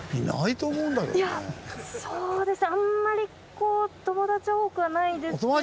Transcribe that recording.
いやそうですねあんまり友達は多くはないですけど。